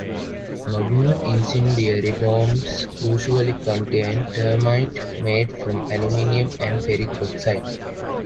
Modern incendiary bombs usually contain thermite, made from aluminium and ferric oxide.